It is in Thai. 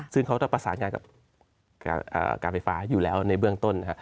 ซึ่งเขาต้องประสานงานกับการไฟฟ้าอยู่แล้วในเบื้องต้น